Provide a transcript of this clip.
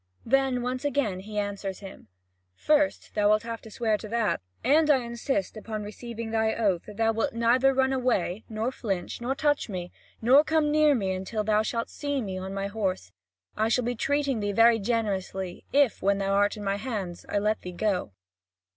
Then once again he answers him: "First, thou wilt have to swear to that, and I insist upon receiving thy oath that thou wilt neither run away nor flinch, nor touch me, nor come near me until thou shalt see me on my horse; I shall be treating thee very generously, if, when thou art in my hands, I let thee go."